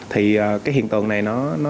thì cái hiện tượng này